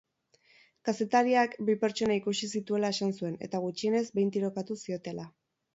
Kazetariak bi pertsona ikusi zituela esan zuen eta gutxienez behin tirokatu ziotela.